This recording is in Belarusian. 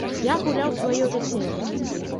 Я гуляў сваё вяселле.